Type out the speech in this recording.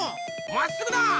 まっすぐだ！